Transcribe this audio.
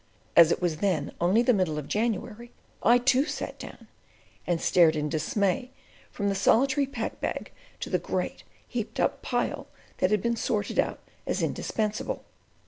As it was then only the middle of January, I too sat down, and stared in dismay from the solitary pack bag to the great, heaped up pile that had been sorted out as indispensable.